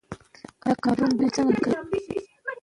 کمپیوټرونه د بېټکوین لپاره کار کوي.